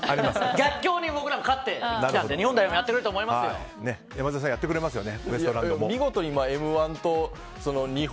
逆境に僕らも勝ってきたので日本代表も山添さんやってくれますよね